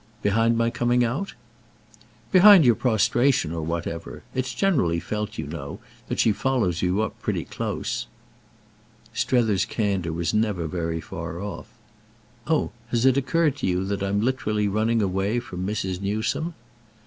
"Behind my coming out?" "Behind your prostration or whatever. It's generally felt, you know, that she follows you up pretty close." Strether's candour was never very far off. "Oh it has occurred to you that I'm literally running away from Mrs. Newsome?"